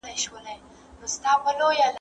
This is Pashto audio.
دا پاکوالي له هغه منظمه ده،